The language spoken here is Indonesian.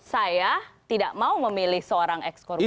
saya tidak mau memilih seorang ex koruptor